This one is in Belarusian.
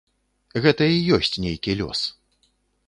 Гэта і ёсць нейкі лёс.